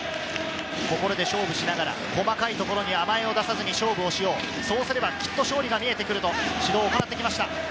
心で勝負しながら細かいところに甘えを出さずに勝負をしよう、そうすればきっと勝利が見えてくると指導を行ってきました。